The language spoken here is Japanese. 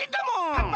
パパ！